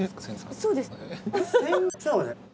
そうですよ。